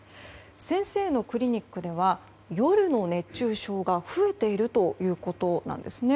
先生のクリニックでは夜の熱中症が増えているということなんですね。